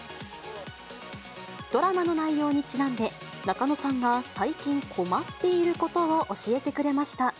ドラマの内容にちなんで、仲野さんが最近、困っていることを教えてくれました。